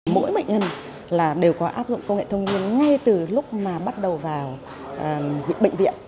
mỗi bệnh nhân đều có áp dụng công nghệ thông nguyên ngay từ lúc bắt đầu vào bệnh viện